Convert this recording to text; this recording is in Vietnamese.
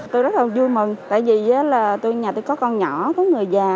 tôi rất là vui mừng tại vì tôi nhà tôi có con nhỏ có người già